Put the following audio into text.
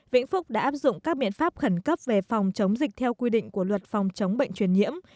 vĩnh phúc đã áp dụng các biện pháp khẩn cấp về phòng chống dịch theo quy định của luật phòng chống bệnh truyền nhiễm